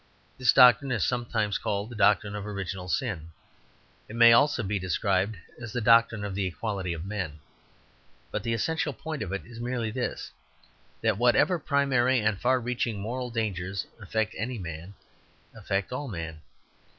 This doctrine is sometimes called the doctrine of original sin. It may also be described as the doctrine of the equality of men. But the essential point of it is merely this, that whatever primary and far reaching moral dangers affect any man, affect all men.